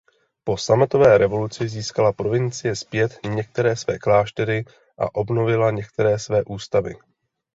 Po sametové revoluci získala provincie zpět některé své kláštery a obnovila některé své ústavy.